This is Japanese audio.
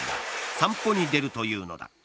散歩に出るというのだ。